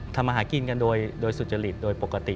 ทำอาหารกินกันโดยสุจริตโดยปกติ